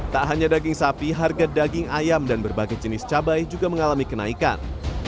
tak hanya daging sapi harga daging ayam dan berbagai jenis cabai juga mengalami kenaikan